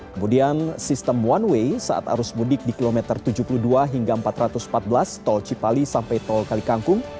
kemudian sistem one way saat arus mudik di kilometer tujuh puluh dua hingga empat ratus empat belas tol cipali sampai tol kalikangkung